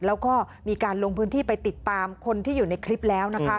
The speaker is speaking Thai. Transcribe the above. แล้วก็มีการลงพื้นที่ไปติดตามคนที่อยู่ในคลิปแล้วนะคะ